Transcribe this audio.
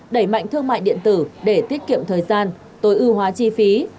đẩy mạnh thương mại điện tử để tiết kiệm thời gian tối ưu hóa chi phí